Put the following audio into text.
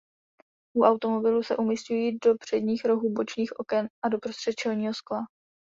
U automobilů se umísťují do předních rohů bočních oken a doprostřed čelního skla.